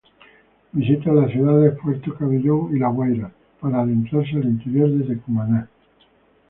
Visita las ciudades Puerto Cabello y La Guaira, para adentrarse al interior desde Cumaná.